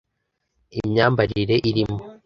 imyambarire irimo